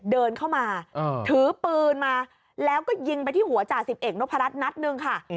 เดินเข้ามาถือปืนมาแล้วก็ยิงไปที่หัวจ่าสิบเอกนพรัชนัดหนึ่งค่ะ